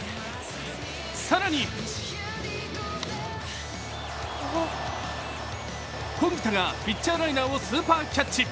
更に小木田がピッチャーライナーをスーパーキャッチ。